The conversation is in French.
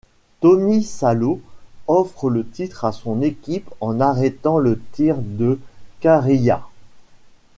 Tommy Salo offre le titre à son équipe en arrêtant le tir de Kariya.